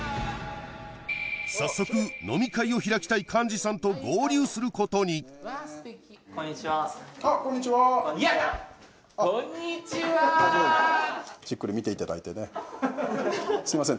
早速飲み会を開きたい幹事さんと合流することにあっこんにちはすいません